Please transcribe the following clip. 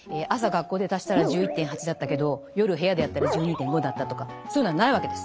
学校で足したら１１．８だったけど夜部屋でやったら１２．５だったとかそういうのはないわけです。